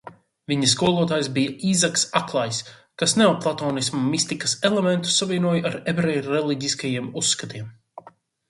Viņa skolotājs bija Īzaks Aklais, kas neoplatonisma mistikas elementus savienoja ar ebreju reliģiskajiem uzskatiem.